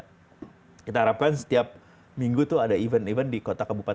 kita harapkan setiap minggu tuh ada event event di kota kabupaten